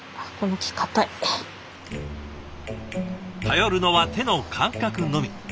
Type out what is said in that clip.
頼るのは手の感覚のみ。